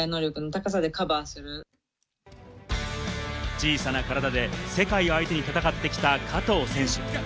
小さな体で世界を相手に戦ってきた加藤選手。